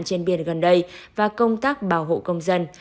trên biển gần đây và công tác bảo hộ công dân